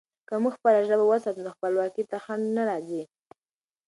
که موږ خپله ژبه وساتو، نو خپلواکي ته خنډ نه راځي.